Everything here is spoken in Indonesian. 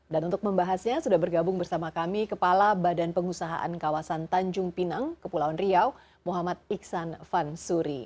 untuk membahasnya sudah bergabung bersama kami kepala badan pengusahaan kawasan tanjung pinang kepulauan riau muhammad iksan vansuri